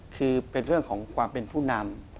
คือเป็นเรื่องของความเป็นผู้นำ